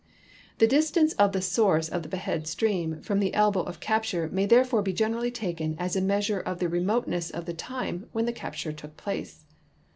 The distance of the source of the beheaded stream from the elbow of capture may therefore be generally taken as a measure of the remoteness of the time when the capture took place.